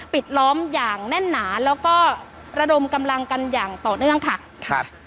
ปิดล้อมอย่างแน่นหนาแล้วก็ระดมกำลังกันอย่างต่อเนื่องค่ะครับ